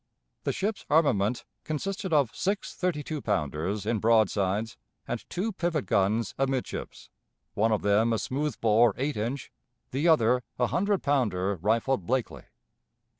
The ship's armament consisted of six thirty two pounders in broadsides and two pivot guns amidships, one of them a smooth bore eight inch, the other a hundred pounder rifled Blakely.